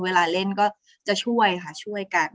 เวลาเล่นก็จะช่วยค่ะช่วยกัน